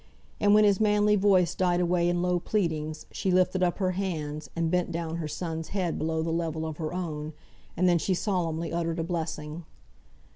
And when his manly voice died away in low pleadings, she lifted up her hands, and bent down her son's head below the level of her own; and then she solemnly uttered a blessing.